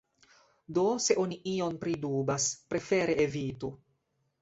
Do se oni ion pridubas, prefere evitu.